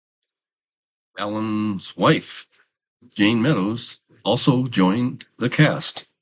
Allen's wife, Jayne Meadows also joined the cast.